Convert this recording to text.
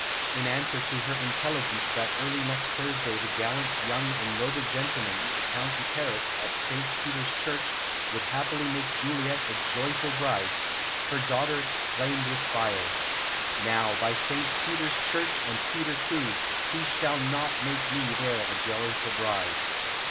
In answer to her intelligence that early next Thursday the gallant, young, and noble gentleman, the County Paris, at Saint Peter's Church, would happily make Juliet a joyful bride, her daughter exclaimed with fire: "Now, by Saint Peter's Church and Peter too, he shall not make me there a joyful bride!"